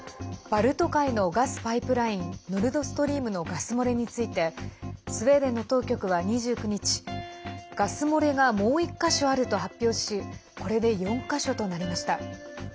バルト海のガスパイプラインノルドストリームのガス漏れについてスウェーデンの当局は２９日ガス漏れがもう１か所あると発表しこれで４か所となりました。